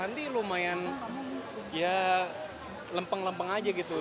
nanti lumayan ya lempeng lempeng aja gitu